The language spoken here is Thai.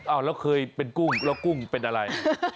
เราเคยเป็นกุ้งแล้วกุ้งเป็นอะไร